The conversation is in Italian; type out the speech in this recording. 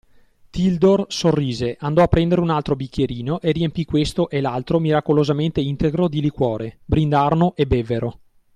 Tildor sorrise, andò a prendere un altro bicchierino e riempì questo e l’altro miracolosamente integro di liquore: brindarono e bevvero.